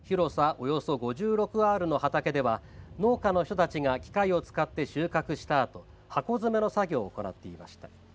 およそ５６アールの畑では農家の人たちが機械を使って収穫したあと箱詰めの作業を行っていました。